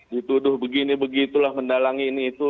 dituduh begini begitulah mendalangi ini itu